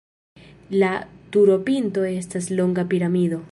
La turopinto estas longa piramido.